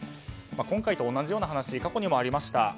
今回と同じような話がありました。